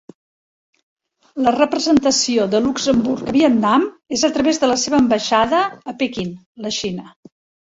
La representació de Luxemburg a Vietnam és a través de la seva ambaixada a Pequín, la Xina.